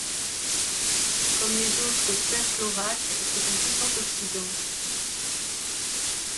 Comme les autres perchlorates, c'est un puissant oxydant.